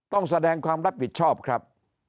ต้องแสดงความรับผิดชอบครับ